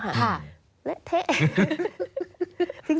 เหละเทะ